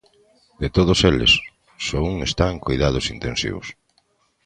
De todos eles, só un está en coidados intensivos.